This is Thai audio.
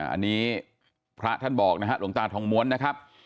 อันนี้พระท่านบอกนะฮะหลวงตาทองม้วนนะครับ